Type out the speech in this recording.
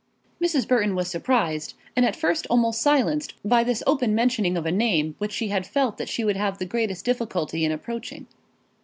Mrs. Burton was surprised, and at first almost silenced, by this open mentioning of a name which she had felt that she would have the greatest difficulty in approaching.